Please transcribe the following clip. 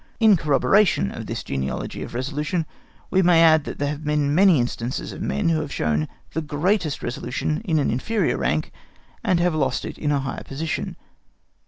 In corroboration of this genealogy of resolution we may add that there have been many instances of men who have shown the greatest resolution in an inferior rank, and have lost it in a higher position.